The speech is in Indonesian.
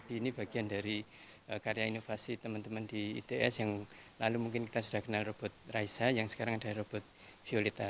ini bagian dari karya inovasi teman teman di its yang lalu mungkin kita sudah kenal robot raisa yang sekarang ada robot violeta